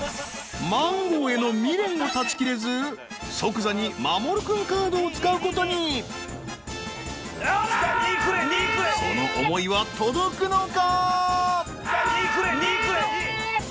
マンゴーへの未練を断ち切れず即座にまもる君カードを使うことにその思いは届くのか？